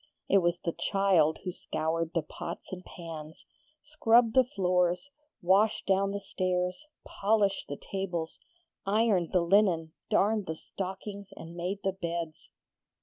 It was the child who scoured the pots and pans, scrubbed the floors, washed down the stairs, polished the tables, ironed the linen, darned the stockings, and made the beds.